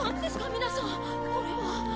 皆さんこれは。